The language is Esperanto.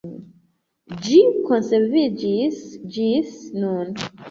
Ĝi konserviĝis ĝis nun.